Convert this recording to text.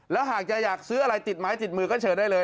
แล้วหากจะอยากซื้ออะไรติดไม้ติดมือก็เชิญได้เลย